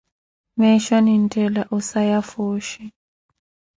Meesho nineettela osaya fooshi.